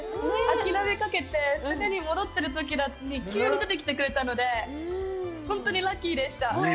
諦めかけて船に戻ってるときだったので、急に出てきてくれたので、本当にラッキーでした。